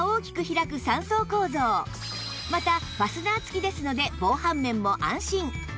内側はまたファスナー付きですので防犯面も安心